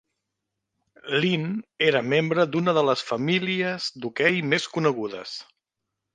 Lynn era membre d'una de les famílies d'hoquei més conegudes.